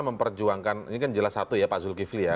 memperjuangkan ini kan jelas satu ya pak zulkifli ya